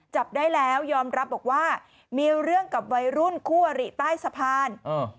จับได้แล้วยอมรับบอกว่ามีเรื่องกับวัยรุ่นคู่อริใต้สะพาน